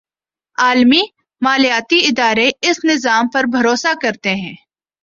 عالمی مالیاتی ادارے اس نظام پر بھروسہ کرتے ہیں۔